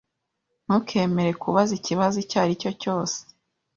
Ntukemere kubaza ikibazo icyo ari cyo cyose.